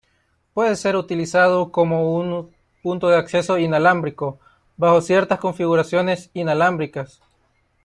Puede ser utilizado como un punto de acceso inalámbrico bajo ciertas configuraciones inalámbricas.